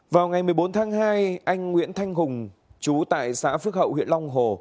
vào ngày một mươi bốn tháng hai anh nguyễn thanh hùng chú tại xã phước hậu huyện long hồ